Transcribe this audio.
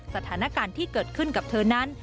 สถานการณ์ที่เกิดขึ้นกับเธอนั้น